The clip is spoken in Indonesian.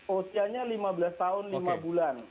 usianya lima belas tahun lima bulan